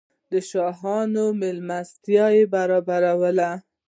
د شاهانه مېلمستیا په برابرولو یې.